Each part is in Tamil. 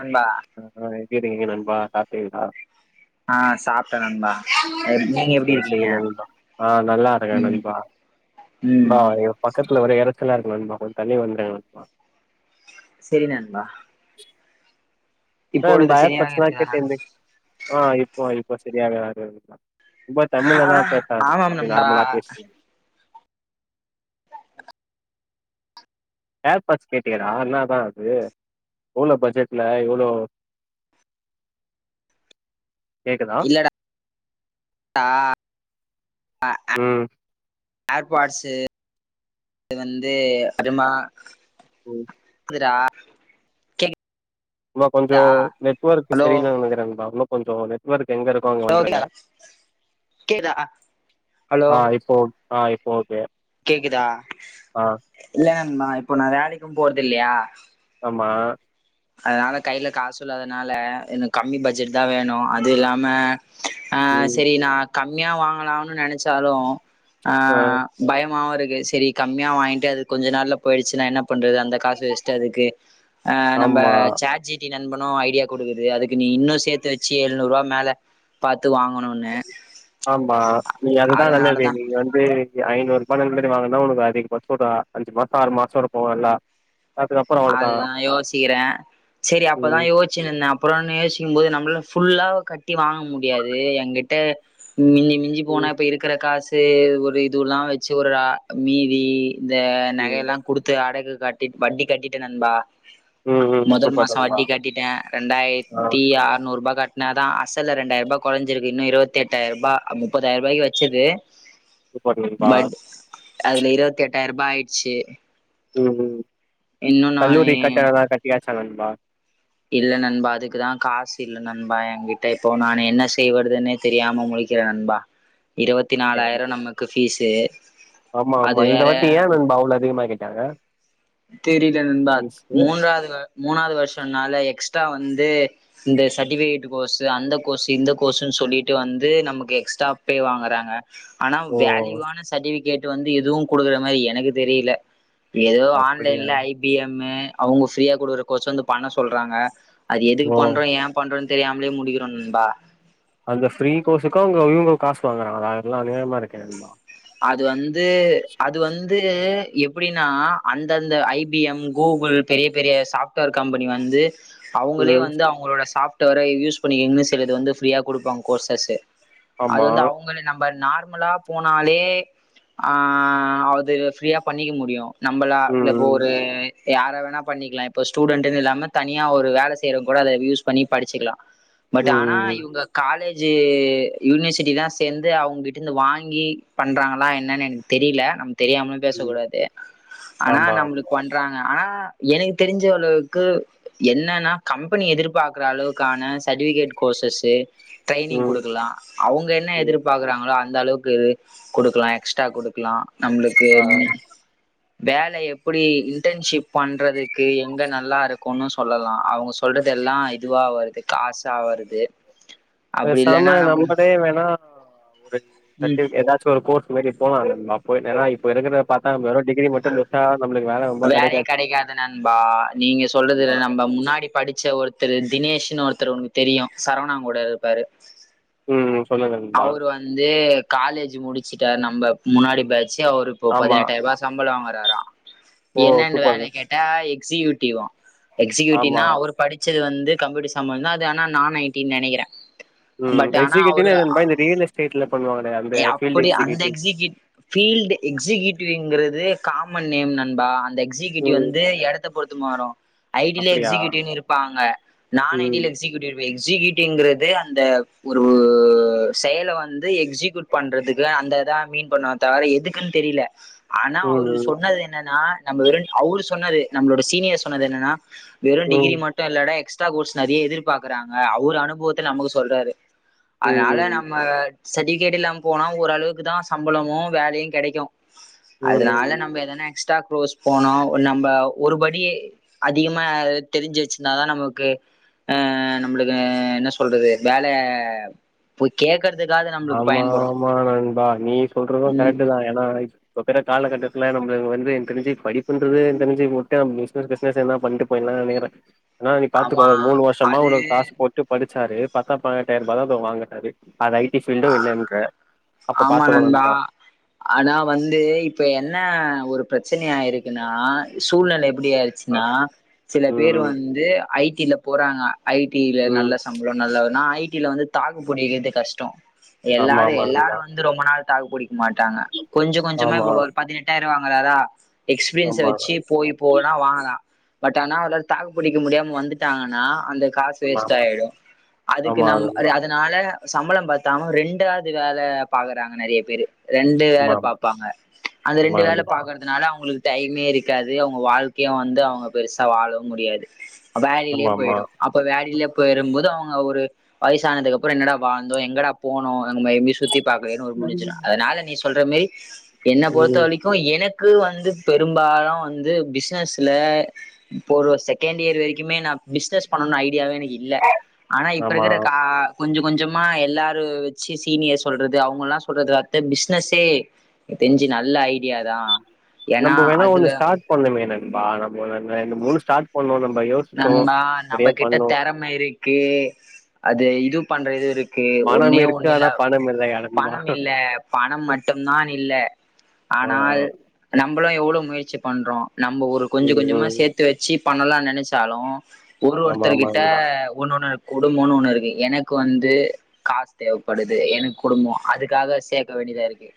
நண்பா அ அ எப்டி இருக்கிங்க நன்பா சாப்டிங்களா ஆ சாப்டே நண்பா நீங்க எப்டி சேரி இருக்கீங்க சேரி நண்பா அ நல்லா இருக்கே ம் நண்பா பா ம் ஐய்யோ பக்கத்துல ஒரே எறச்சலா இருக்கு நண்பா கொஞ்சோ தள்ளி வந்துருங்க நண்பா சேரி நண்பா அ இந்த இப்பொழுது சரியாக ஹேர்பேட்ஸ்ல இருக்குதா கேட்டே நண் என்தே அ இப்போ இப்போ சரியாக ஆகா இருக்கலா நண்பா ஆ தமிழ்லா பேசியாகனு ஆமாம் அப்டியே நண்பா நார்மலா பேசுங்க ஹேர் பார்ட்ஸ் கேட்டியா டா இன்னா தா அது எவ்ளோ பட்ஜெட்குள்ள எவ்ளோ கேக்குதா இல்லடா அ ம் [inaudible] ஏர்பாட்ஸு இது வந்து அதுமா ம் இதுடா உனக் கொஞ்சோ நெட்ஒர்க் ஹலோ செரி இல்லன்னு நெக்கிறே நண்பா இன்னோ கொஞ்சோ நெட்வொர்க் எங்க இருக்கோ அங்க ஹலோ கேக்குதா வந்துருங்க கேக்குதா ஹலோ ஆ இப்போ ஒக் அ இப்போ ஓகே கேக்குதா ஆ இல்ல நண்பா இப்போ நா வோலைக்கு போறதில்லையா மா அதனால கையில காசு இல்லாதனால எனக்கு கம்மி பட்ஜெட் தா வேணு அது இல்லாம அ ம் சேரி நா கம்மியா வாங்கலாம்னு நெனைச்சாலு ஆ பயமாவு இருக்கு சேரி கம்மியா வாங்கிட்டு அது கொஞ்ச நாள்ல போயிடுச்சின்னா என்ன பண்றது அந்த காசு வேஸ்டா அதுக்கு ஆ நம்ப ஆமா சேட் ஜி பி டி நண்பனு ஐடியா குடுக்குது அதுக்கு நீ இன்னு சேத்து வச்சி எழுநூறு ரூபா மேல பாத் ஆமா நீ அதுதா நல்லது அதனாலதா நீங்க வந்து ஐநூறு ரூபானுகாட்டி வாங்குன்தா உனக்கு அதிகபட்சோ பாத்தா அஞ்சு மாசோ ஆறு மாசோ இருக்கு நல்லா அதுக்கப்புறம் அவ்ளோதான். அதுதா யோசிக்கிறே சேரி அப்பதா ம். யோசிச்சினுயிந்தே அப்புறோ நா யோசிக்கு போது நம்மளு ஃபுல்லா கட்டி வாங்க முடியாது எகிட்ட மிஞ்சி மிஞ்சி ம், போனா இப்ப இருக்கற காசு ஒரு இதுவுல்லா வெச்சு ஒரு அ மீதி இந்த ம். நகையெல்லா குடுத்து அடகு கட்டி வட்டி கட்டிட்டே நண்பா ம், ம். முதல் சூப்பர் மாசோ நண்பா. வட்டி கட்டிட்டே ஆ ரெண்டாயிரத்தி ஆறுநூறு ரூபா கட் கட்னா தா அசல்ல ரெண்டாயிர் ரூபா கொறைஞ்சிருக்கு இன்னு இருவத்தெட்டாயிர ரூபா முப்பதாயிர ரூபாயிக்கு வெச்சது சூப்பர் நண்பா. பட் அதுல இருவத்தெட்டாயிர் ரூபா ஆயிட்சி ம் ம் கல்லூரிக் நானு கட்டணம்லா கட்டியாச்சா நண்பா இல்ல நண்பா அதுக்குதா காசு இல்ல நண்பா என்கிட்ட இப்போ நான் என்ன செய்வதுன்னே தெரியாம முழிக்கிற நண்பா இரவத்தி சரி. நாலாயிர நமக்கு ஃபீஸு ஆமா அது ஆமா இந்த வேற வாட்டி ஏன் நண்பா அவ்ல அதிகமாகிட்டாங்க தெரில நண்பா மூன்றாவது மூணாவது வருஷன்னால எக்ஸ்ட்ரா வந்து இந்த சர்டிபிகேட் கோர்ஸ் து அந்த கோர்ஸ் இந்த கோர்ஸ்ன் சொல்லிட்டு வந்து நமக்கு எக்ஸ்ட்ரா பே வாங்குறாங்க ஆனா ஓ! வேல்யூவான சர்ட்டிவிகேட் வந்து எதுவும் குடுக்குற மாதிரி எனக்கு தெரியல ஏதோ அப்படியா? ஆன்லைன்ல ஐ பி எம் அவுங்க ஃப்ரீயா குடுகுற கோச்ச வந்து பண்ண சொல்றாங்க அது எதுக்கு ஓ! பண்றோ ஏன் பண்றோன்னு தெரியாமலே முடிக்கிறோ நண்பா அந்த ஃப்ரீ கோர்ஸுக்கு அவுங்க இவுங்கோ காசு வாங்குறாங்களா அதெல்லா அநியாயமா இருக்கே நண்பா அது வந்து அது வந்து எப்டின்னா அந்தந்த ஐ பி எம் கூகுள் பெரிய பெரிய சாஃப்ட்வேர் கம்பெனி வந்து அவுங்களே ம். வந்து அவுங்களோட சாஃப்ட்வேர யூஸ் பண்ணிக்கீங்கன்னு சிலது வந்து ஃப்ரீயா கொடுப்பாங்க கோர்சஸ் அது ஆமா. வந்து அவுங்களே நம்ப நார்மலா போனாலே ஏ ஆ அது ஃப்ரீயா பண்ணிக்க முடியு நம்பளா ம், இல்லப்போ ம். ஒரு யார வேணா பண்ணிக்லா இப்போ ஸ்டூடெண்ட்ன்னு இல்லாம தனியா ஒரு வேல செய்ரவங்க கூட அத யூஸ் பண்ணி படிச்சுக்கலா ம், பட் ஆனா ம், இவுங்க காலேஜ் ஜி யூனிவர்சிட்டி தான் சேர்ந்து அவுங்ககிட்ட இருந்து வாங்கி பண்றாங்களா என்னனு எனக்கு தெரியில நம் தெரியாமலும் ம். பேசக்கூடாது ஆனா ஆமா, ஆமா. நம்ளுக்கு பண்றாங்க ஆனா எனக்கு தெரிஞ்ச அளவுக்கு என்னன்னா கம்பெனி எதிர்பாக்குற அளவுக்கான சர்ட்டிவிகேட் கோ [unintelligible] ட்ரைனிங் ம் குடுக்குலா அவுங்க என்ன ம் எதிர்பார்க்குறாங்களோ அந்த அளவுக்கு குடுக்லா எக்ஸ்ட்ரா குடுக்லா நம்ளுக்கு ஆ வேல எப்புடி இன்டர்ன்ஷிப் பண்றதுக்கு எங்க நல்லாருக் கொன்னு சொல்லலா அவுங்க சொல்றது எல்லா இதுவா வருது காசா வருது அப்டி பேசாம இல்லேன்னா நம்ம நம்மளே வேணா ஒரு ம் சர்டிவிக் ஏதாச்சு ஒரு கோர்ஸ் மாரி போலா அப்போ ஏனா இப்ப இருக்கறத பாத்தா டிகிரி மட்டு முடிச்டா நம் வேலைய கெடைக்காது நண்பா நீங்க ஆமா சொல்றதுல நம்ப முன்னாடி படிச்ச ஒரு ஒருத்தரு தினேஷ்ன்னு ஒருத்தர் உனக்கு தெரியு சரவணாங் கூட இருப்பாரு ம் சொல்லுங்க நண்பா அவரு வந்து காலேஜ் முடிச்சுட்டாரு நம்ப முன்னாடி பேச் சி அவுரு இப்போ ஆமா பதினெட்டாயருவா சம்பள வாங்குறாரா ஓ என்னன்னு சூப்பருங்க வேல கேட்டா ஸியூடீவ்வா எக்ஸியூடீவ் ஆமா னா அவுர் படிச்ச சது வந்து கம்யூடர் சம்மந்ததான் அது ஆனா நான் ஐ டி ன் நெனைக்கிற ம் எக்ஸிக்யூடிவ்னா என்ன நண்பா இந்த ரியல் எஸ்டேட்ல பண்ணுவாங்கல ஏ அப்டி அந்த எக்ஸிக்யூ ஃபீல்டு எக்ஸிக்யூடிவ்ங்கறது இது காமன் நேம் நண்பா அந்த எக்ஸிக்யூடிவ் ம் வந்து எடத்த பொறுத்து மாறு ஐ டி ல அப்டியா எக்ஸிக்யூடிவ்னு இருப்பாங்க நான் ஐ டி ல ம் எக்ஸிக் எக்ஸிக்யூடிவ்ங்கறது அந்த ஒரு செயல வந்து எக்ஸிக் கூட் பண்றதுக்கு அந்ததா மீன் பண்ணுவ தவிர எதுக்குன் தெரியல ஆனா அவரு ம் சொன்னது என்னன்னா நம்ப வெறு அவுரு சொன்னது நம்பளோட சீனியர்ஸ் சொன்னது என்னன்னா வெறு டிகிரி ம் மட்டு இல்லடா எக்ஸ்ட்ரா கோர்ஸ் நறைய எதிர்பாக்குறாங்க அவரு அனுபவத்துல நமக்கு சொல்றாரு ம் அதனால ம் நம்ம சர்ட்டிவிகேட் இல்லாம போனா ஓரளவுக்கு தா சம்பளமும் வேலையு கெடைக்கு ம் அதனால ம் நம்ப எதானா எக்ஸ்ட்ரா கோர்ஸ் போனு நம்ப ஒருபடி அதிகமா தெரிஞ்சு வச்சிருந்தாதா நமக்கு ஆ நம்மளுக்கு என்ன சொல்றது வேலைய போய் கேக்குறதுக்காது நம்மளுக்கு பயன்படு மாமா நண்பா நீ சொல்றது ம் கரெக்ட் தா ஏன்னா [unintelligible] காலகட்டத்துல நம்மள இவுங்க வந்து எனக்கு தெரிஞ்சு படிப்புண்றது [unintelligible] [unintelligible] ண்ட்டு போய்ல்லா [unintelligible] நீ பாத்துக்கோ ஆமா மூணு வருஷமா அது உனக்கு காசு போட்டு படி சாரி பத்தா பான்னெட்டாயருபாதா எதோ வாங்கறாரு அது ஐ டி ஃபீல்டு இல்லன்ற அப்ப ஆமா பாத்துக்கோ நண்பா ஆனா வந்து இப்ப என்ன ஒரு ப்ரச்சன ஆயிருக்குன்னா சூழ்நில எப்டி ஆ ஆயிருச்சுன்னா சில பேர் ம் வந்து ஐ டில போறாங்க ஐடில ம் நல்ல சம்பளோ நல்லன்னா ஐடில வந்து தாக்குபுடிகிறது கஷ்டோ ஆமா எல்லாரு ஆமா எல்லாரு நண்பா வந்து ரொம்ப நாள் தாகுபுடிக் மாட்டாங்க கொஞ்சோ கொஞ்சோமா ஆமா இப்ப ஒரு பதினெட்டாயிர் வாங்கறாரா எக்ஸ்பிரியன்ஸ்ஸ ஆமா வெச்சு போய் போனா வாங்கலா பட் ஆனா அவ்ருனால தாக்குபிடிக்க முடியாம வந்துட்டாங்கன்னா அந்த காசு ஆமா வேஸ்ட் ஆமா ஆய்டு அதுக்கு ஆமா நம் நண்பா அதனால சம்பளோ பத் [unintelligible] ரெண்டாவ்து வேல பாக்குறாங்க நெறைய பேரு ரெண்டு வேல ஆமா ஆமா பாப்பாங்க அந்த ஆமா ரெண்டு வேல நண்பா பாக்குறதுனால அவுங்குளுக்கு டைமே இருக்காது அவுங்க வாழ்கைய வந்து அவுங்க பெருசா வாழவு முடியாது வேலைலயே ஆமா ஆமா போய்டு அப்ப வேலைல பெரும்போது அவுங்க ஒரு வய்சானதுக்கு அப்றோ என்னடா வாழ்ந்தோ எங்கடா போனோ நம்ம எங்யு சுத் திபாக்லேனு ஒரு ம் முடிஞ்சுரு அதனால நீ சொல்ற மாரி என்ன பொறுத்த ம், வரிகும் எனக் கு வந்து பெரும்பாலு வந்து பிஸ்னஸ்ல இப்ப ஒரு செகண்ட் இயர் வரிக்குமே நா பிஸ்னஸ் பண்ணணுன் ஐடியாவே எனக்கு இல்ல ஆனா இப்ப ஆமா இருக்குற கா கொஞ்சோ கொஞ்சோமா எல்லாரு வெச்சு சீனியர் சொல்றது அவுங்கலா சொல்றது அட்து பிஸ்னஸே தெரிஞ்சு நல்ல ஐடியா தா நம்ப வேணா ஒன்னு ஸ்டார்ட் பண்லாமே நண்பா ரெண்டு மூணு ஸ்டார்ட் பண்ணோ நம் நண்பா நம்மகிட்ட திறம இருக்கு அது இது பண்றது இருக் ஓகே மனம் ஒன்னே இருக்கு ஒன்னு இல்ல ஆனா பணம் இல்லை நண்பா பணம் இல்ல பணம் மட்டுதான் இல்ல ஆ ஆனால் நம் லா எவ்ளோ முயற்சி பண்றோ நம்ம ஒரு கொஞ்சோ ம் கொஞ்சோமா ம் சேத்து வேச்சு பண்ணலா நெனச்சாலு ஒரு ஆமா ஆமா ஒருத்தர்கிட்ட நண்பா ஒன்னொண் இரு குடும்போன் ஒண்ணு இருக்கு எனக் வந்து காஸ் தேவபடுது எனக் குடும்போ அதுகாக சேக்க வே டிதா இருக்கு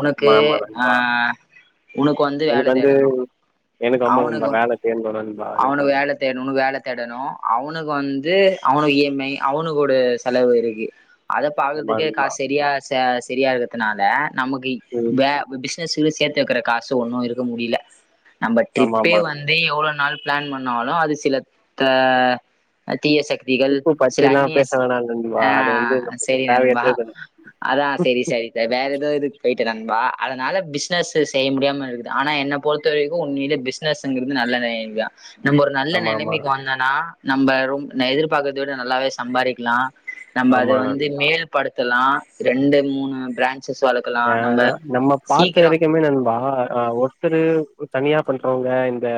உனக்கு ஆமா ஆமா ஆ நண்பா உனக்கு வந்து வேல தேடணு எனக்கு ஆமா நண்பா அவுனுக்கு வேல தேடனு நண்பா எனக்கு அவுனுக்கு வந்து. வேல தேட்னூனு வேல தேடனு அவுனுக்கு வந்து அவனுக் எ அவுனுக்குடு செலவுருக்கு அத ஆமா பாக்குறதுகே நண்பா காசு செரியா செரியா இருக்கறதுனால நமக்கு ம் வே பிஸ்னஸ் [unintelligible] சேத்து வெக்கற காசு ஒன்னு இருக்க முடில நம்ப ஆமா ட்ரிப்பே ஆமா வந்து எவ்ளோ நாள் பிளான் பண்ணாலு அது சிலத் தா தீய சக்திகள் ட்ரிப்பு சில பத்திலா அந்நிய பேச வேணா நண்பா ஆ அது வந்து நம்மளுக்கு சேரி நண்பா தேவையற்றது அதா சேரி சேரி வேற எதோயிதுக்கு போய் நண்பா அதனால பிஸ்னஸு செய்ய முடியாம இருக்குது ஆனா என்ன பொறுத்த வரிக்கு உண்மைலே பிஸ்னஸுங்கறது நல்ல நெலமதா நம்ம ஒரு நல்ல ஆமா ஆமா நெலமைக்கு வந்தோனா நம்ப ரொம் எதிர்பாக்கறத விட நல்லாவே சம்பாரிக்கலா நம்ப அது ஆமா வந்து நண்பா மேல் படுத்தலா ரெண்டு மூணு பிராச் ஏனா நம்ம பாத்த சீக்கிரம் வரிக்குமே நண்பா ஆ ஒருத்தரு தனியா பண்றவங்க இந்த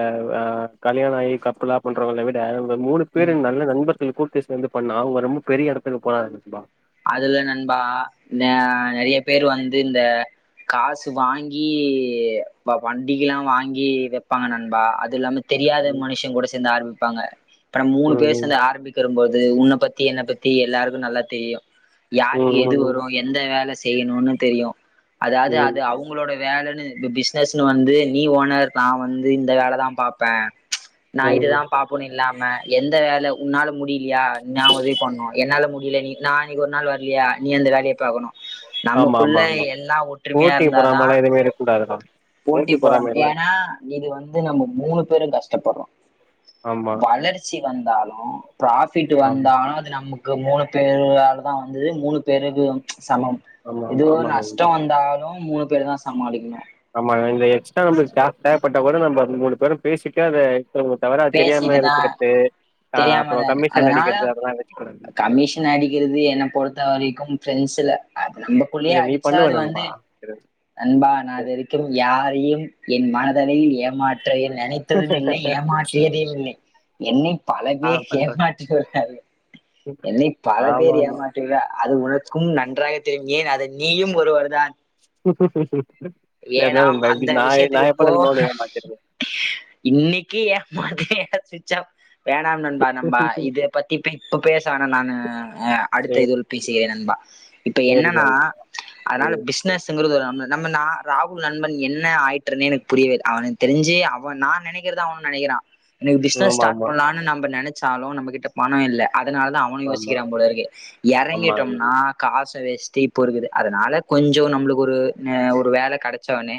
கல்யாணோ ஆகி கப்புலா பண்றவங்கள விட ஒரு மூணு பேரு நல்ல நண்பர்கள் கூட்டு சேந்து பண்ணா அவுங்க ரொம்ப பெரிய இடத்துக்கு போயர்லா நண்பா அதுல நண்பா நா நெறைய பேர் வந்து இந்த காசு வாங்கி வண்டிகலா வாங்கி வெப்பாங்க நண்பா அது இல்லாம தெரியாத ம் மனுஷன் கூட சேந்து ஆரம்பிப்பாங்க இப்ப நம்ப மூணு பேரு ம் சேந்து ஆரம்பிக்கற போது உன்ன பத்தி என்ன பத்தி எல்லாருக்கு நல்லா தெரியும் யாரு ம் எது ம் வரும் எந்த வேல செ செய்யணூனு தெரியும் அதாது ம் அது அவுங்களோட வேலன்னு இப்ப பிஸ்னஸ்னு வந்து நீ ஓனர் நா வந்து இந்த வேலதா பாப்பே நா ம் இதுதா ம் பாப்பணு இல்லாம எந்த வேல உன்னால முடிலியா நா உதவி பண்னு என்னால முடில நீ நா இனிக்கு ஒரு நாள் வர்லயா நீ அந்த வேலயை பாக்கணு ஆமா நமக்குள்ள ஆமா ஆமா எல்லா ஒற்றுமையா போட்டி இருந்தாதா பொறாமலா எதுவுமே இருக்க கூடாதுடா போட்டி பொறாம பொராம எல்லா ஏனா இது வந்து நம்ம மூணு பேருங் கஷ்டப்பட்றோ ஆமா வளர்ச்சி வந்தாலு ப்ராஃபிட்டு ஆமா வந்தாலு அது நமக்கு மூணு பேரு ஆலதா வந்துது மூணு பேருக்கு வந் சமம் ஆமா எது ஆமா ஆமா ஒரு நஷ்டொ நண்பா வந்தாலு மூணு பேருதா சமாளிக்கிணு ஆமா இந்த எக்ஸ்ட்ரா நம்ளுக் கேஷ் தேவப்பட்டா கூட நம்ப மூணு பேரும் பேசிட்டு அத த்தவங்களுக் தவற அத் தெரியாம பேசிட்டுதா எடுத்துக்கற்து தெரியாமதா அதனால வச்சுக்கனு கமிஷன் அடிக்கிறது என்ன பொறுத்த வரைக்கும் ஃப்ரெண்ஸ்ஸுல அது நம்பக்குள்ளயே இல்ல நீ அடிச்சா பண்ணுவ அது நண்பா வந்து நண்பா நா இதுவரைக்கும் யாரையும் என் மனதளவில் ஏமாட் ற்ற எ நனைத்ததும் இல்லை ஏமாற்றியது இல்லை என்னை பல ஆ பேர் பண்றே ஏமாற்றிவிட்டார்கள் என்னை பல ஆமா பேர் ஆமா ஏமாற்றி உள்ளா அது உனக்கும் நன்றாக தெரி ஏன் அதை நீயும் ஒருவர் தான் ஹ ஹ வேணாம் அந்த விஷயத்துக்கு போ உன்ன ஏமாத்திருக்கே இன்னக்கி ஏமாத்தி [unintelligible] சுட்ச் ஆஃப் வேணாம் நண்பா நம்ப இதப்பத்தி பே பேச வேணா நானு அ அடுத்த சேரி இது உள் பேசுகிறேன் நண்பா இப்ப சேரி என்னான்னா அனால ம் பிஸ்னஸுங்க [unintelligible] நம்ம நா ராகுல் நண்பன் என்ன ஆயிற்றன்னே எனக் புரியவே இல்ல அவனுக்கு தெரிஞ்சி அவ நா நெனைக்கிறதா [unintelligible] நெனக்கிறா எனக்கு பிஸ்னஸ் ஆமா ஸ்டாட் ஆமா பண்லானு நம்ப நெனச்சாலு நம்பக் கிட்ட பணொ இல்ல அதுனால தா அவனு ஆமா யோசிக்கிறா போல இருக்கு ஆமா நண்பா. எறங்கிட்டொம்னா காஸ் வேஷ்டி இப்போ இருக்குது அதனால கொஞ்சொ நம்ளுக்கு ஒரு ஆ ஒரு வேல கடச்ச ஒன்னே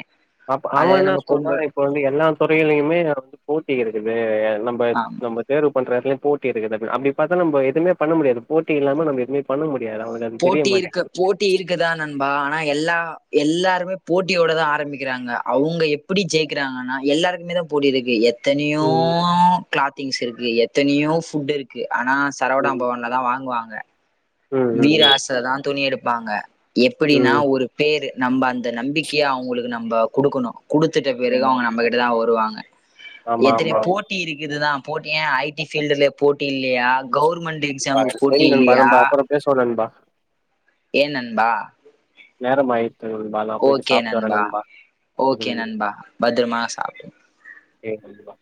அப்ப அவ என்னா சொல்றா இப்ப வந்து எல்லா தொறையிலையிமே ஒரு போட்டி இருக்குது நம்ப ஆமா நம்பத் தேர்வு பண்றல்ல போட்டி இருக்குது அது அப்டி பாத்தா நம்ப எதுமே பண்ண முடியாது போட்டி இல்லாம நம்ப எதுமே பண்ண மு போட்டி இருக்கு போட்டி இருக்குதா நண்பா னா எல்லா எல்லாருமே போட்டியோடதா ஆரம்பிக்கிறாங்க அவ்ங்க எப்டி ஜெயிக்கிறாங்கன்னா எல்லாருக்மே தா போடி இருக்கு எத்தனையோ ம் க்ளாத்திங்ஸ் இருக்கு எத்தனையோ ஃபுட்டு இருக்கு ஆனா சரவணா ம் பவன்லதா வாங்குவாங்க ம் ம் வீராஸ்லதா துணி எடுப்பாங்க ம் எப்டின்னா ம் ஒரு பேரு நம்ப அந்த நம்பிக்கையா அவுங்களுக்கு நம்ப குடுக்கொணு குடுத்துட்ட பிறகு ஆமா அவுங்க நம்பக்கிட்டதா வருவாங்க ஆமா எத்தனையோ ஆமா போட்டி இருக்குதுதா போட்டி ஏ ஐ டி ஃபீல்டுலே போட்டி இல்லியா கௌர்மெண்ட்டு ஆமா எக்ஸாமுக்கு சரி போட்டி நண்பா இல்லியா நம்ம அப்பறோ பேசுவோ நண்பா ஏ நண்பா நேரமாய் ஓகே நண்பா ஓகே திரும்பி நண்பா பத்திரமா சாப்ட் சே நண்பா